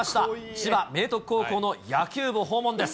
千葉・明徳高校の野球部を訪問です。